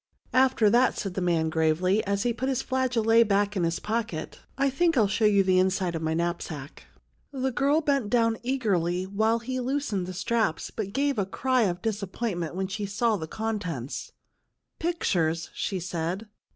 " After that," said the man gravely, as he put his flageolet back in his pocket, " I think I will show you the inside of my knapsack." The girl bent down eagerly, while he 12 162 CHILDREN OF THE MOON loosened the straps, but gave a cry of dis appointment when she saw the contents. " Pictures !" she said.